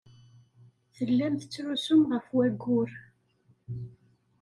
Tellam tettrusum ɣef wayyur.